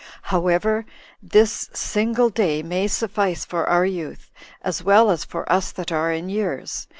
However, this single day may suffice for our youth, as well as for us that are in years.